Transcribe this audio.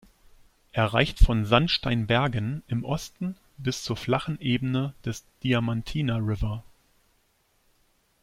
Er reicht von Sandstein-Bergen im Osten bis zur flachen Ebene des Diamantina River.